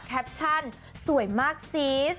แคปชั่นสวยมากซีส